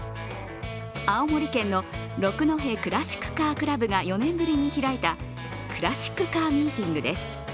青森県の六戸クラシックカー倶楽部が４年ぶりに開いたクラシックカーミーティングです。